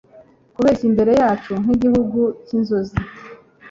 Kubeshya imbere yacu nkigihugu cyinzozi